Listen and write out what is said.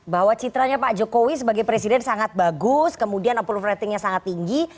bahwa citranya pak jokowi sebagai presiden sangat bagus kemudian approvatingnya sangat tinggi